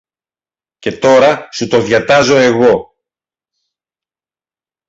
Και τώρα σου το διατάζω εγώ